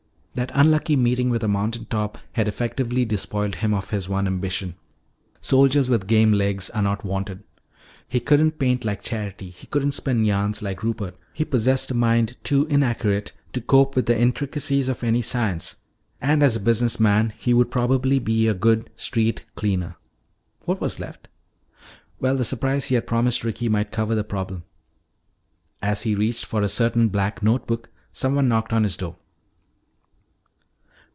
That unlucky meeting with a mountaintop had effectively despoiled him of his one ambition. Soldiers with game legs are not wanted. He couldn't paint like Charity, he couldn't spin yarns like Rupert, he possessed a mind too inaccurate to cope with the intricacies of any science. And as a business man he would probably be a good street cleaner. What was left? Well, the surprise he had promised Ricky might cover the problem. As he reached for a certain black note book, someone knocked on his door.